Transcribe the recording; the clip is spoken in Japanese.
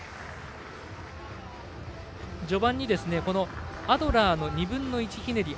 序盤にアドラーの２分の１ひねり。